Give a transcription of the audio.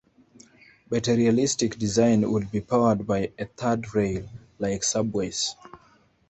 But a realistic design would be powered by a "third rail" like subways.